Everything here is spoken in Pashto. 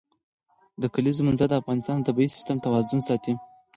د کلیزو منظره د افغانستان د طبعي سیسټم توازن ساتي.